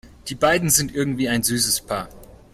Die beiden sind irgendwie ein süßes Paar.